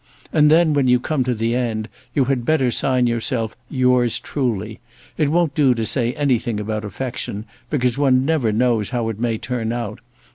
And then when you come to the end, you had better sign yourself 'Yours truly.' It won't do to say anything about affection, because one never knows how it may turn out.